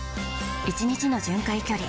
１日の巡回距離